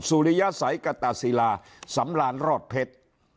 สุริยสัยกตาศิลาสำรานรอดเพชร